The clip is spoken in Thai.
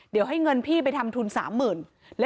เดี๋ยวให้เงินพี่ไปทำทุน๓๐๐๐บาท